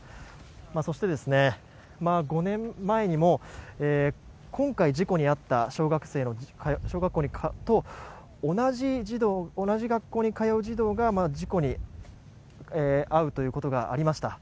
そして、５年前にも今回事故に遭った小学生と同じ学校に通う児童が事故に遭うということがありました。